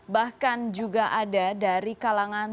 bahkan juga ada dari kalangan